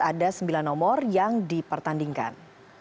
ada sembilan nomor yang dipertandingkan